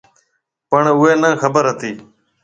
پڻ اُوئي نَي خبر ھتِي۔